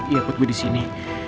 iya put gue disini